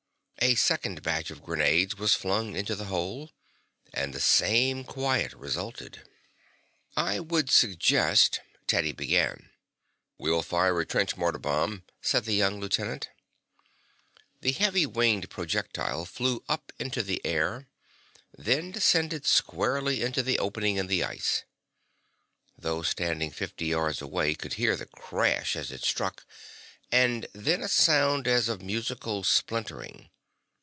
A second batch of grenades was flung into the hole, and the same quiet resulted. "I would suggest " Teddy begin. "We'll fire a trench mortar bomb," said the young lieutenant. The heavy winged projectile flew up into the air, and then descended squarely into the opening in the ice. Those standing fifty yards away could hear the crash as it struck, and then a sound as of musical splintering.